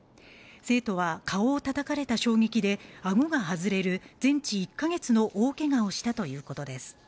生徒は顔を叩かれた衝撃でアゴが外れる全治１か月の大けがをしたということです